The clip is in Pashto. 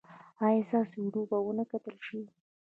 ایا ستاسو ویډیو به و نه کتل شي؟